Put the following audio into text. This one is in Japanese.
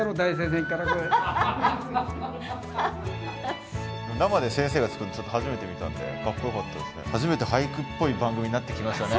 生で先生が作るのちょっと初めて見たんでかっこよかったですね。